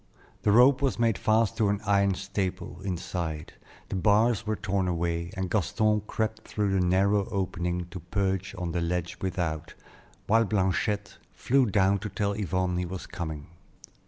The rope was made fast to an iron staple inside, the bars were torn away, and Gaston crept through the narrow opening to perch on the ledge without, while Blanchette flew down to tell Yvonne he was coming.